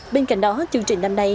bên cạnh đó chương trình năm nay